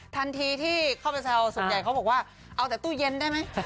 ทันทีที่เข้าไปแซวส่วนใหญ่เขาบอกว่าเอาแต่ตู้เย็นได้ไหม